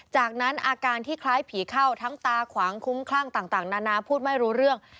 จากนั้นอาการที่คล้ายผีเข้าทั้งตาขวางคุ้มคลั่งต่างนานาพูดไม่รู้เรื่อง